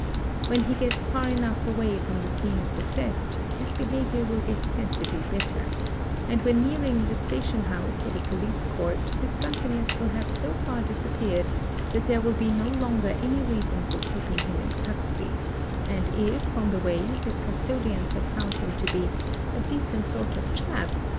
When he gets far enough away from the scene of the theft, his behaviour will get sensibly better, and when nearing the station house or the police court his drunkenness will have so far disappeared that there will be no longer any reason for keeping him in custody, and if, on the way, his custodians — have found him to be "a decent sort of chap"?